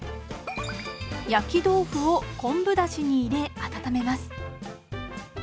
焼き豆腐を昆布だしに入れ温めます。